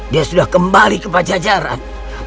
dia sudah kembali ke pajajaran